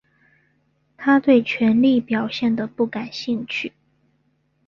他对权力表现得不感兴趣。